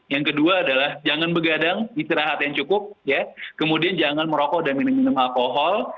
yang kedua adalah jangan begadang istirahat yang cukup ya kemudian jangan merokok dan minum minum alkohol